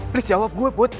putri jawab gue put